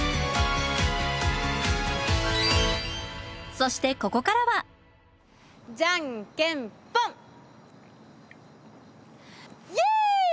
そしてここからはじゃんけんぽんイエーイ！